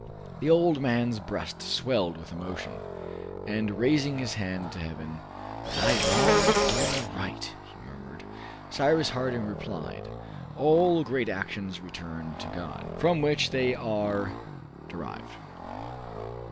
The old man's breast swelled with emotion, and raising his hand to heaven, "Was I wrong, or in the right?" he murmured. Cyrus Harding replied, "All great actions return to God, from whom they are derived.